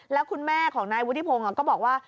แล้วคุณแม่ของนายวุฒิพงศ์ก็บอกว่า